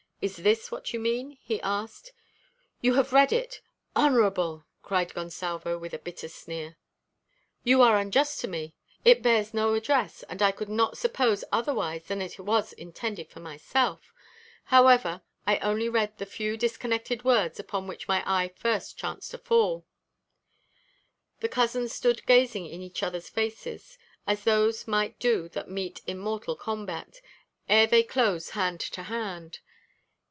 "Is this what you mean?" he asked. "You have read it! Honourable!" cried Gonsalvo, with a bitter sneer. "You are unjust to me. It bears no address; and I could not suppose otherwise than that it was intended for myself. However, I only read the few disconnected words upon which my eye first chanced to fall." The cousins stood gazing in each other's faces; as those might do that meet in mortal combat, ere they close hand to hand.